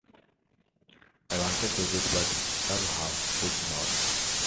I wanted to read, but somehow could not.